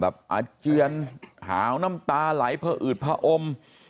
แบบอาเจียนหาวน้ำตาไหลผอืดผอม